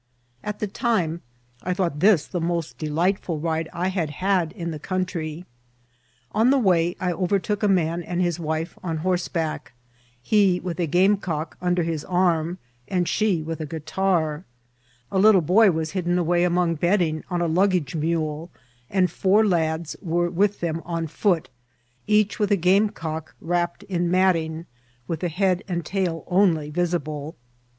At the time I thought this the moot delij^itful ride I had had in the country. On the way I overtook a man and his wife on horseback, he with a game cock under his arm, and she with a guitar ; alittle boy was hidden away among bedding on a luggage mule, and four lads were with them on foot, each vrith a game cock wrc^pped in matting, with the head and tail only visible.